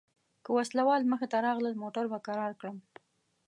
که وسله وال مخته راغلل موټر به کرار کړم.